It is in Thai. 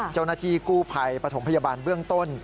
เจ้าหน้าที่กู้ภัยปฐมพยาบาลเบื้องต้น